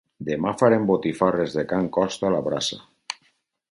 Demà farem botifarres de can Costa a la brasa